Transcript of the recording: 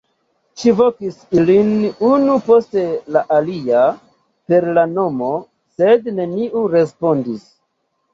Ŝi vokis ilin unu post la alia per la nomo, sed neniu respondis.